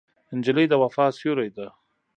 نجلۍ د وفا سیوری ده.